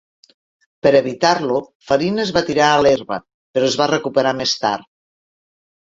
Per evitar-lo, Farina es va tirar a l'herba però es va recuperar més tard.